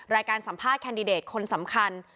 การสัมภาษณ์แคนดิเดตคนสำคัญ